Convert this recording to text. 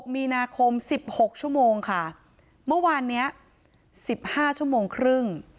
๑๖มีนาคม๑๖ชั่วโมงค่ะเมื่อวาน๑๕ชั่วโมงครึ่ง